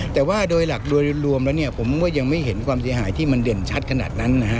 แต่ว่าโดยหลักโดยรวมแล้วเนี่ยผมก็ยังไม่เห็นความเสียหายที่มันเด่นชัดขนาดนั้นนะฮะ